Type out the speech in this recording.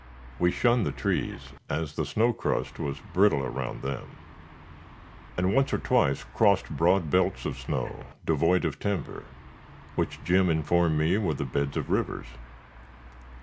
We shunned the trees, as the snow crust was brittle around them, and once or twice crossed broad belts of snow, devoid of timber, which Jim informed me were the beds of rivers.